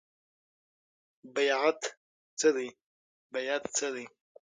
بیعت څه دی؟